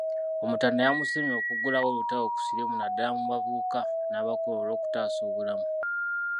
Omutanda yamusiimye okuggulawo olutalo ku siriimu naddala mu bavubuka n’abakulu olwokutaasa obulamu.